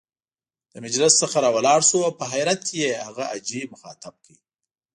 له مجلس څخه را ولاړ شو او په حيرت يې هغه حاجي مخاطب کړ.